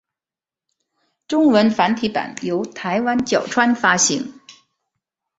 中文繁体版由台湾角川发行。